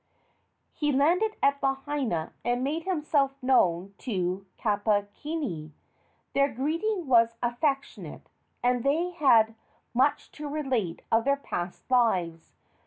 He landed at Lahaina, and made himself known to Kapukini. Their greeting was affectionate, and they had much to relate of their past lives.